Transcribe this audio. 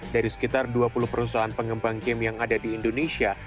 dari sekitar dua puluh perusahaan pengembang game yang ada di indonesia